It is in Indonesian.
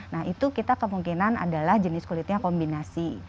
nah itu kita kemungkinan adalah jenis kulitnya kombinasi